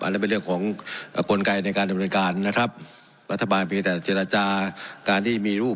นั่นเป็นเรื่องของกลไกในการดำเนินการนะครับรัฐบาลเพียงแต่เจรจาการที่มีรูป